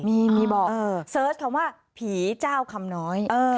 มีบอกเซิร์จเขามันว่าผีเจ้าคำน้อย